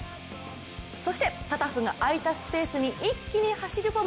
そして、タタフがあいたスペースに一気に走り込む